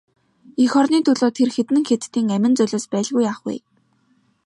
Эх орны төлөө тэр хэдэн хятадын амин золиос байлгүй яах вэ?